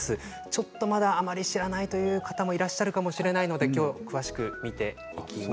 ちょっとまだあまり知らないという方もいらっしゃるかもしれないので今日、詳しく見ておきます。